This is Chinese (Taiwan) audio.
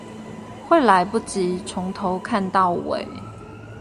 會來不急從頭看到尾